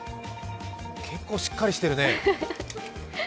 結構しっかりしてるね。